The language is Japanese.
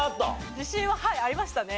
自信ははいありましたね。